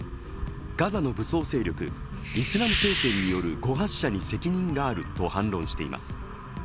ガザの武装勢力・イスラム聖戦による誤発射に責任があると反論しています。